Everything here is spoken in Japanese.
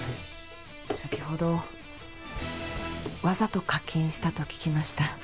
先ほどわざと課金したと聞きました